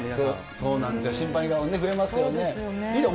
そうなんですよ、心配が増えますよね。